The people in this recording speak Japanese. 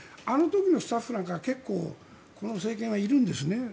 あの時のスタッフなんかは結構、この政権はいるんですね。